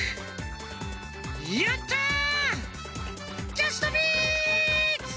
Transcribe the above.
ジャストミート！